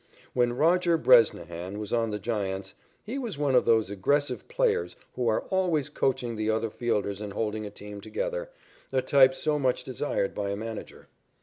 When Roger Bresnahan was on the Giants, he was one of those aggressive players who are always coaching the other fielders and holding a team together, a type so much desired by a manager.